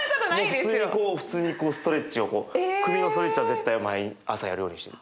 もう普通にこう普通にこうストレッチをこう首のストレッチは絶対毎朝やるようにしてる。